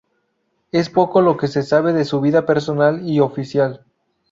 Es poco lo que se sabe de su vida personal y oficial.